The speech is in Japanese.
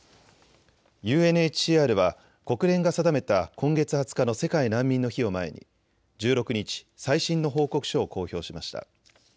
ＵＮＨＣＲは国連が定めた今月２０日の世界難民の日を前に１６日、最新の報告書を公表しました。